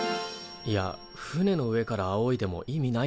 いや船の上からあおいでも意味ないだろ。